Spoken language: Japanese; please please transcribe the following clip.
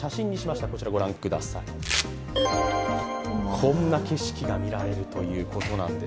こんな景色が見られるということなんです。